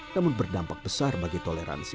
namun berdampak besar bagi toleransi